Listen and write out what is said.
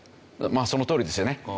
まあそのとおりですよね。